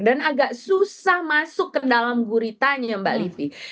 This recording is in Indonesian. dan agak susah masuk ke dalam guritanya mbak livi